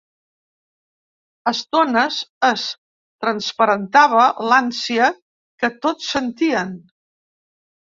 A estones es transparentava l'ànsia que tots sentien.